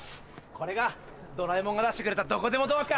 これがドラえもんが出してくれたどこでもドアか！